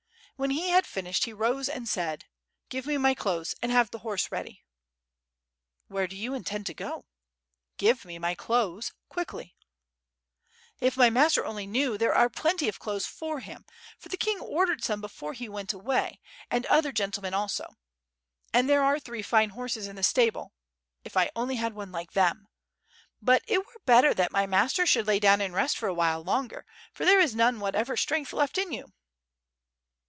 When he had finished he rose and said: "Give me my clothes and have the horse ready." ^'Where do you intend to go?" "Give me my clothes, quickly." *T[f my master only knew, there are plenty of clothes for him, for the king ordered some before he went away, and 8o4 ^^r^ ^^^^^^^ SWORD. other gentlemen also. And there are three fine horses in the stable. ... if I only had one like them. ... but it were better that my master should lay down and rest for awhile longer, for there is none whatever strength left in you."